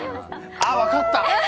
分かった！